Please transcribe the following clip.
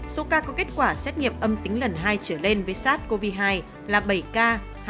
số ca có kết quả xét nghiệm âm tính lần hai trở lên với sars cov hai là bảy ca hai